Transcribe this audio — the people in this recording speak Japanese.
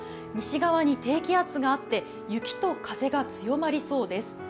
西側に低気圧があって雪と風が強まりそうです。